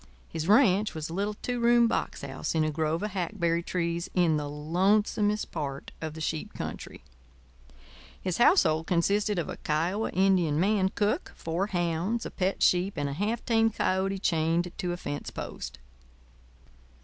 His ranch was a little two room box house in a grove of hackberry trees in the lonesomest part of the sheep country. His household consisted of a Kiowa Indian man cook, four hounds, a pet sheep, and a half tamed coyote chained to a fence post.